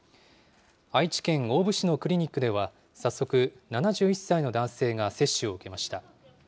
愛知県大府市のクリニックでは、早速、７１歳の男性が接種を受けました。